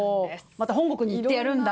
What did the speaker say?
また本国に行ってやるんだ。